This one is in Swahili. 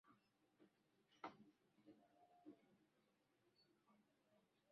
Mavazi ya heshima ambayo kila mtu anapaswa kuvaa ni miongoni mwa maadili bora